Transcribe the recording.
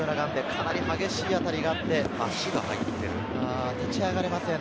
かなり激しい当たりがあって立ち上がれません。